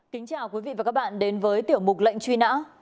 kính chào quý vị và các bạn đến với tiểu mục lệnh truy nã